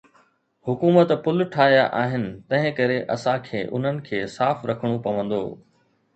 حڪومت پل ٺاهيا آهن، تنهنڪري اسان کي انهن کي صاف رکڻو پوندو.